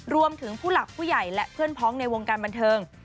ผู้หลักผู้ใหญ่และเพื่อนพ้องในวงการบันเทิง